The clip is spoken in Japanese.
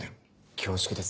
恐縮です。